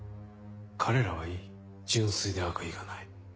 彼らはいい純粋で悪意がない。